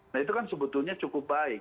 nah itu kan sebetulnya cukup baik